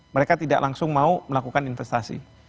mereka tidak langsung mau melakukan investasi